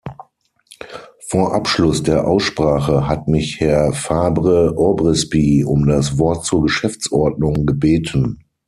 Vor Abschluss der Aussprache hat mich Herr Fabre-Aubrespy um das Wort zur Geschäftsordnung gebeten.